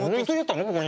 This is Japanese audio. ここに。